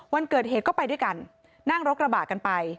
วันเกิดเหตุก็ไปด้วยกันนั่งรถกระบะกันไป